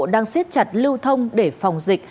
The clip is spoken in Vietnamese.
đang siết chặt lưu thông để phòng dịch